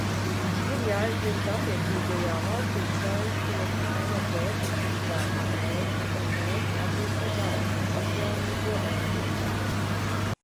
Ir jāizvirza attiecīgajā valstī saistoši energoefektivitātes mērķi un mērķi attiecībā uz atjaunīgo enerģiju.